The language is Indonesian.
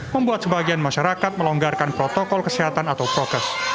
membuat sebagian masyarakat melonggarkan protokol kesehatan atau prokes